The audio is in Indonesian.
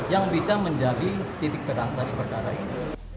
yang bisa menjadi titik terang dari perkara ini